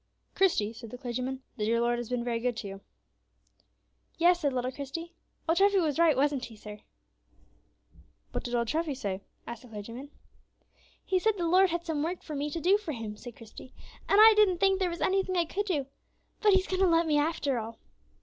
"Christie," said the clergyman, "the dear Lord has been very good to you." "Yes," said little Christie, "old Treffy was right; wasn't he, sir?" "What did old Treffy say?" asked the clergyman. "He said the Lord had some work for me to do for Him," said Christie, "and I didn't think there was any thing I could do; but He's going to let me, after all."